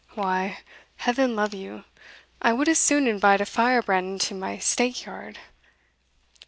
Why, Heaven love you, I would as soon invite a firebrand into my stackyard.